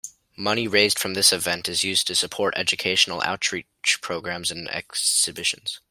Money raised from this event is used to support educational outreach programs and exhibitions.